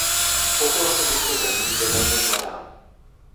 Populace těchto zemí je velmi mladá.